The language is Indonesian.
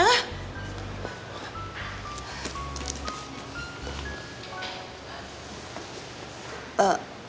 mama mau jadi berangkat apa engga